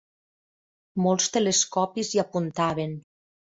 Molts telescopis hi apuntaven.